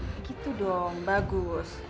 begitu dong bagus